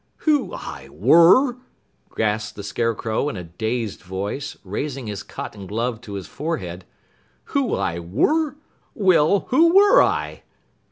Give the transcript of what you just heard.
"_ "Who I were?" gasped the Scarecrow in a dazed voice, raising his cotton glove to his forehead. "Who I were? Well, who were I?"